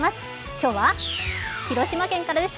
今日は広島県からです。